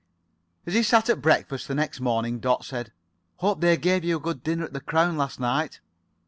As he sat at breakfast the next morning, Dot said: "Hope they gave you a good dinner at the 'Crown' last night."